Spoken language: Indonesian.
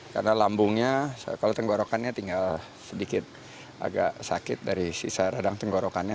karena lambungnya kalau tenggorokannya tinggal sedikit agak sakit dari sisa radang tenggorokannya